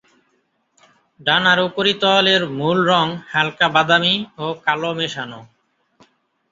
ডানার উপরিতল এর মূল রঙ হালকা বাদামী ও কালো মেশানো।